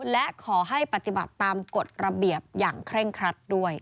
และขอให้ปฏิบัติตามกฎระเบียบอย่างเคร่งครัดด้วย